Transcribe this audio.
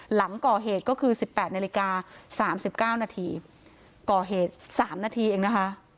หลังก่อเหตุก็คือสิบแปดนาฬิกาสามสิบเก้านาทีก่อเหตุสามนาทีเองนะคะ